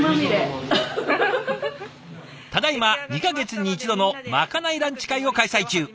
ただいま２か月に一度のまかないランチ会を開催中。